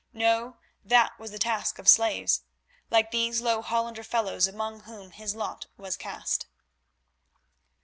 No, that was the task of slaves, like these low Hollander fellows among whom his lot was cast.